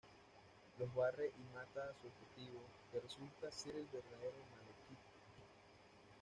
Los barre y mata a su objetivo, que resulta ser el verdadero Malekith.